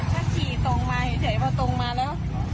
ถ้าขี่ตรงมาเฉยพอตรงมาแล้ว